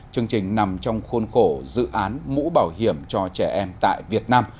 chương trình nằm trong khuôn khổ dự án mũ bảo hiểm cho trẻ em tại việt nam